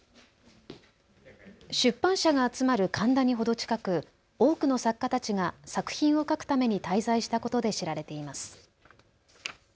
出版社が集まる神田に程近く多くの作家たちが作品を書くために滞在したことで知られています。